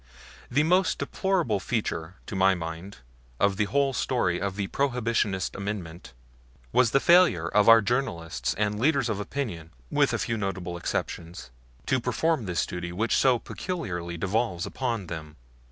The most deplorable feature, to my mind, of the whole story of the Prohibition amendment, was the failure of our journalists and leaders of opinion, with a few notable exceptions, to perform this duty which so peculiarly devolves upon them.